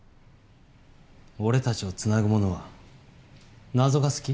俺たちを繋ぐものは謎が好き？